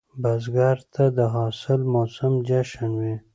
بزګر ته د حاصل موسم جشن وي